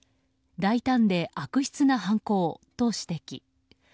大胆で悪質な犯行と指摘。